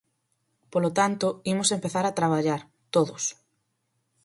Polo tanto, imos empezar a traballar, todos.